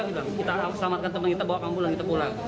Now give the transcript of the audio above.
kita selamatkan teman kita bawa kamu pulang kita pulang